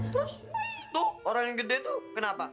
terus itu orang yang gede tuh kenapa